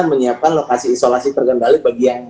menyiapkan lokasi isolasi terkendali bagi yang